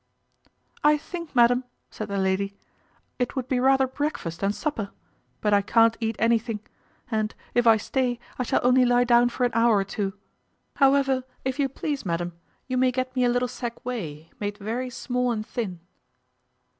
"I think, madam," said the lady, "it would be rather breakfast than supper; but I can't eat anything; and, if I stay, shall only lie down for an hour or two. However, if you please, madam, you may get me a little sack whey, made very small and thin."